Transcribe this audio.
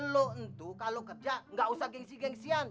lo ntuh kalo kerja nggak usah gengsi gengsian